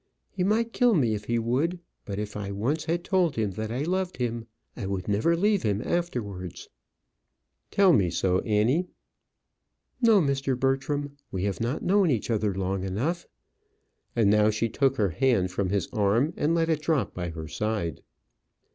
He might kill me if he would; but if I once had told him that I loved him, I would never leave him afterwards." "Tell me so, Annie." "No, Mr. Bertram. We have not known each other long enough." And now she took her hand from his arm, and let it drop by her side.